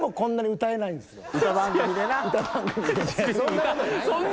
歌番組でな。